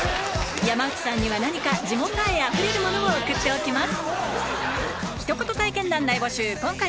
山内さんには何か地元愛あふれるものを送っておきます